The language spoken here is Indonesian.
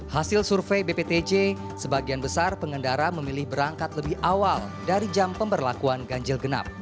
hasil survei bptj sebagian besar pengendara memilih berangkat lebih awal dari jam pemberlakuan ganjil genap